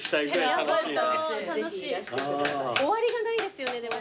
終わりがないですよねでも。